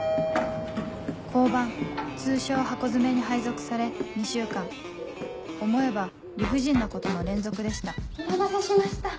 交番通称「ハコヅメ」に配属され２週間思えば理不尽なことの連続でしたお待たせしました。